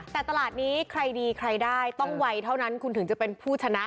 แต่ตลาดนี้ใครดีใครได้ต้องไวเท่านั้นคุณถึงจะเป็นผู้ชนะ